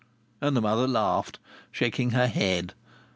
And the mother laughed, shaking her head.